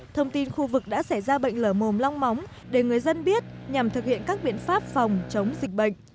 thông tin khu vực đã xảy ra bệnh lở mồm long móng để người dân biết nhằm thực hiện các biện pháp phòng chống dịch bệnh